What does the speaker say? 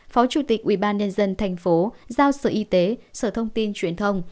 phó chủ tịch ubnd thành phố giao sở y tế sở thông tin truyền thông